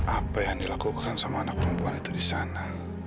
apa yang dilakukan sama anak perempuan itu di sana